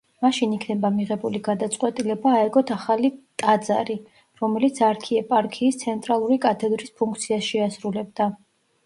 მაშინ იქნება მიღებული გადაწყვეტილება აეგოთ ახალი ტაძარი, რომელიც არქიეპარქიის ცენტრალური კათედრის ფუნქციას შეასრულებდა.